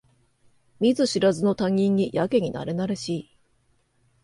見ず知らずの他人にやけになれなれしい